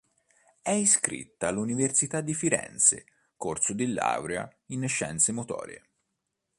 È iscritta all'Università di Firenze, corso di laurea in scienze motorie.